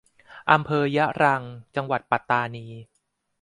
อำเภอยะรัง จังหวัดปัตตานี